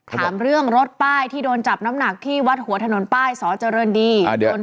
ถามเรื่องรถป้ายที่โดนจับน้ำหนักที่วัดหัวถนนป้ายสอเจริญดี